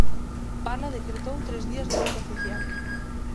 Parla decretou tres días de loito oficial.